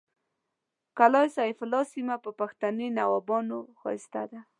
کلا سیف الله سیمه په پښتني نوابانو ښایسته ده